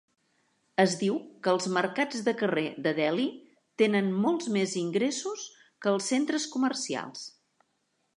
Es diu que els mercats de carrer de Delhi tenen molts més ingressos que els centres comercials.